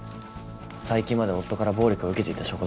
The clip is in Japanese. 最近まで夫から暴力を受けていた証拠だ。